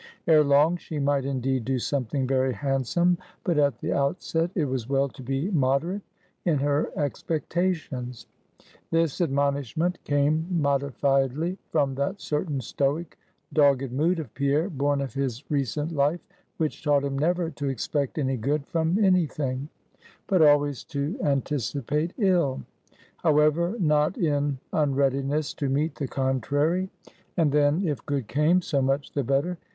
Ere long she might indeed do something very handsome; but at the outset, it was well to be moderate in her expectations. This admonishment came, modifiedly, from that certain stoic, dogged mood of Pierre, born of his recent life, which taught him never to expect any good from any thing; but always to anticipate ill; however not in unreadiness to meet the contrary; and then, if good came, so much the better.